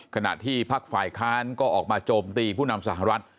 ขณะที่พักฝ่ายค้านก็ออกมาโจมตีผู้นำสหรัฐ